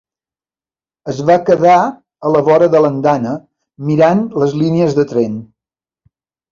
Es va quedar a la vora de l'andana, mirant les línies de tren.